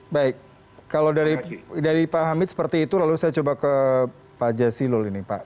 baik kalau dari pak hamid seperti itu lalu saya coba ke pak jasilul ini pak